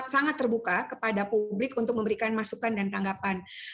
sangat terbuka kepada publik untuk memberikan masukan dan tanggapan